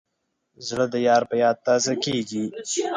زړه د یار په یاد تازه کېږي.